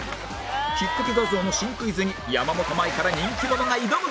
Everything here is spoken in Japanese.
ひっかけ画像の新クイズに山本舞香ら人気者が挑む！